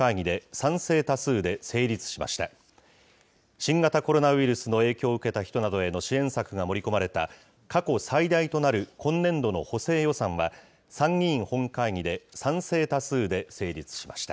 新型コロナウイルスの影響を受けた人などへの支援策が盛り込まれた、過去最大となる今年度の補正予算は、参議院本会議で賛成多数で成立しました。